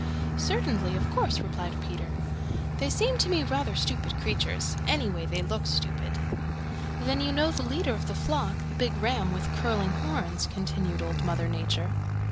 "Certainly. Of course," replied Peter. "They seem to me rather stupid creatures. Anyway they look stupid." "Then you know the leader of the flock, the big ram with curling horns," continued Old Mother Nature.